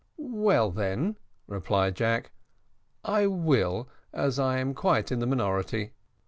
"Well, then," replied Jack, "I will, as I am quite in the minority.